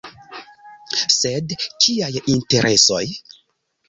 Sed kiaj interesoj?